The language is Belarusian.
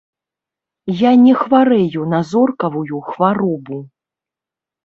Я не хварэю на зоркавую хваробу.